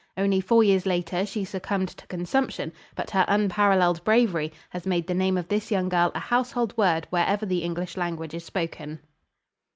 Only four years later she succumbed to consumption, but her unparalleled bravery has made the name of this young girl a household word wherever the English language is spoken.